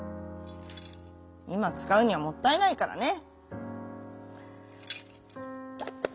「いまつかうにはもったいないからね」。